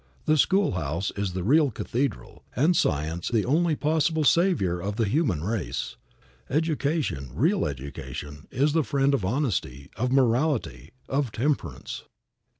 The schoolhouse is the real cathedral, and science the only possible savior of the human race. Education, real education, is the friend of honesty, of morality, of temperance.